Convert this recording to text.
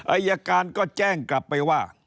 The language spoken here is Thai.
อายการก็แจ้งกลับไปว่า